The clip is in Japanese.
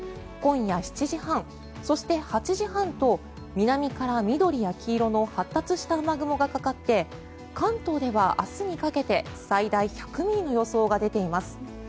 今夜７時半、そして８時半と南から緑や黄色の発達した雨雲がかかって関東では明日にかけて最大１００ミリの予想が出ています。